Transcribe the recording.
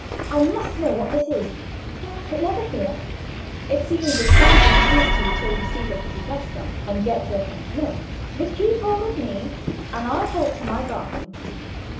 I must know what this is. But never fear: it seems a thousand years to you till you see the pretty Tessa, and get your cup of milk; but keep hold of me, and I'll hold to my bargain.